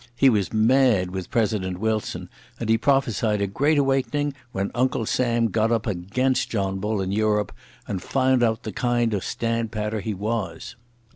He was mad with President Wilson, and he prophesied a great awakening when Uncle Sam got up against John Bull in Europe and found out the kind of standpatter he was.